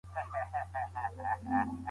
آیا ښځه خپله غوښتنه څرګندولای سي؟